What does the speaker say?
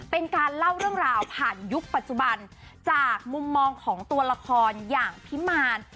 เป็นการเล่าเรื่องราวผ่านยุคปัจจุบันจากมุมมองของตัวละครอย่างพิมาร